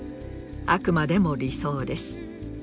あくまでも理想です。